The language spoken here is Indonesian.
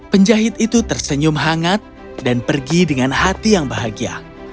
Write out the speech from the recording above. penjahit itu tersenyum hangat dan pergi dengan hati yang bahagia